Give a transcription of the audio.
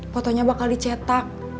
fotonya bakal dicetak